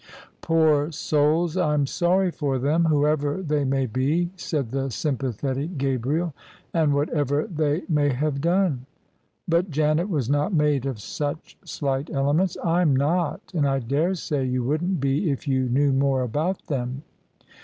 "Poor souls I I'm sorry for them, whoever they may be," said the sympathetic Gabriel, " and whatever they may have done." But Janet was not made of such slight elements. " I'm not: and I daresay you wouldn't be if you knew more about them."